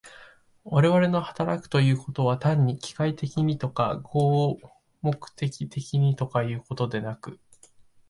我々の働くということは、単に機械的にとか合目的的にとかいうことでなく、